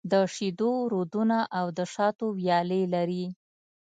د شېدو رودونه او د شاتو ويالې لري.